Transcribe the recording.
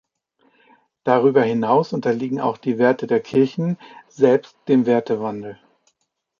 Darüber hinaus unterliegen auch die Werte der Kirchen selbst dem Wertewandel.